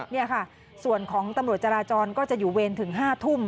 นี่ค่ะส่วนของตำรวจจราจรก็จะอยู่เวรถึง๕ทุ่ม